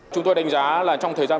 chúng tôi đánh giá là trong thời gian